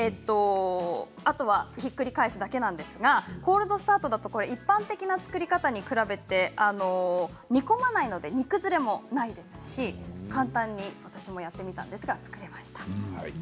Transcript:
あとはひっくり返すだけなんですがコールドスタートだと一般的な作り方に比べて煮込まないので煮崩れもないですし簡単に私もやってみたんですが作れました。